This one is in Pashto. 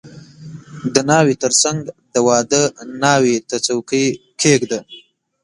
• د ناوې تر څنګ د واده ناوې ته څوکۍ کښېږده.